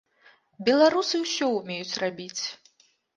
Беларусы ўсё умеюць рабіць.